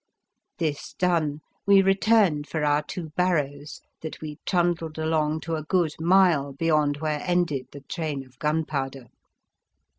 This done, we returned for our two barrows, that we trundled along to a good mile beyond where ended the train of gun powder.